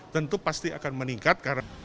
tentu pasti akan meningkat